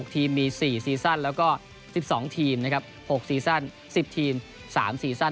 ทีมมี๔ซีซั่นแล้วก็๑๒ทีมนะครับ๖ซีซั่น๑๐ทีม๓ซีซั่น